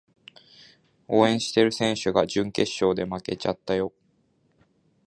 応援してる選手が準決勝で負けちゃったよ